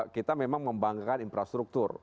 kita memang membanggakan infrastruktur